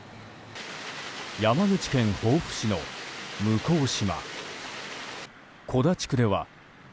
山口県防府市の向島。